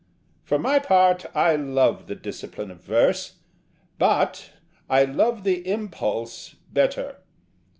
For my part, I love the discipline of verse: but I love the impulse better.